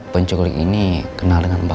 penculik ini kenal dengan bapak